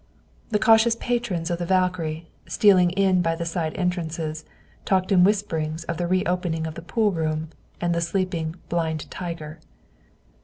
The cautious patrons of the "Valkyrie," stealing in by the side entrances, talked in whispers of the re opening of the pool room, and the sleeping "blind tiger."